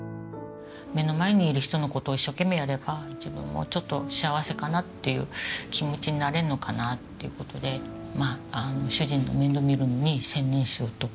目の前にいる人の事を一生懸命やれば自分もちょっと幸せかなっていう気持ちになれるのかなという事で主人の面倒見るのに専念しようと。